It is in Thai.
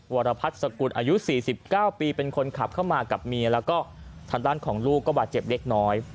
วรพัฒน์สกุลอายุ๔๙ปีเป็นคนขับเข้ามากับเมียแล้วก็ทางด้านของลูกก็บาดเจ็บเล็กน้อย